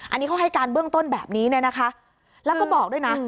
อันนี้เขาให้การเบื้องต้นแบบนี้เนี่ยนะคะแล้วก็บอกด้วยนะ